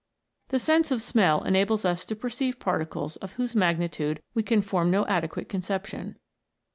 The sense of smell enables us to perceive particles of whose magnitude we can form no adequate con ception.